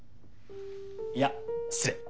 いや失礼。